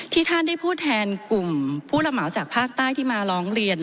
ท่านได้พูดแทนกลุ่มผู้ระเหมาจากภาคใต้ที่มาร้องเรียน